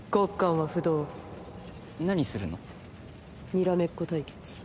にらめっこ対決。